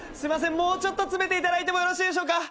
もうちょっと詰めていただいてもよろしいでしょうか。